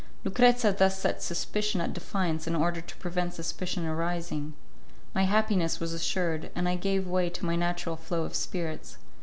Lucrezia thus set suspicion at defiance in order to prevent suspicion arising. My happiness was assured, and I gave way to my natural flow of spirits.